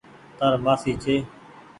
تآر مآسي ڇي۔